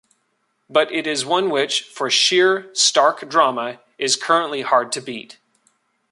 But it is one which, for sheer, stark drama, is currently hard to beat.